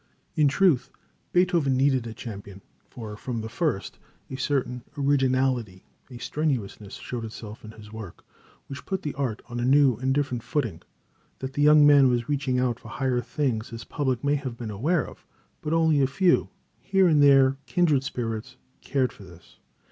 In truth, Beethoven needed a champion, for, from the first, a certain originality, a strenuousness, showed itself in his work, which put the art on a new and different footing. That the young man was reaching out for higher things his public may have been aware of, but only a few, here and there, kindred spirits, cared for this.